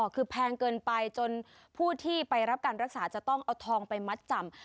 คือแพงเกินไปจนผู้ที่ไปรับการรักษาจะต้องเอาทองไปมัดจำ